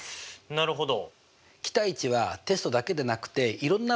なるほど。